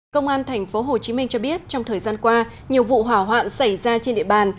công an thành phố hồ chí minh cho biết trong thời gian qua nhiều vụ hỏa hoạn xảy ra trên địa bàn